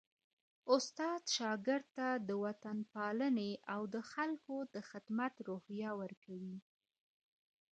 استاد شاګرد ته د وطنپالني او د خلکو د خدمت روحیه ورکوي.